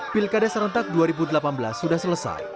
pilkada serentak dua ribu delapan belas sudah selesai